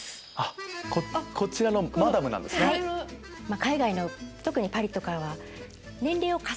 海外の特にパリとかは。